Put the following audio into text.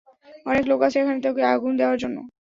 অনেক লোক আছে এখানে তোকে আগুন দেওয়ার জন্য।